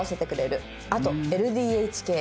「あとＬＤＨ系」。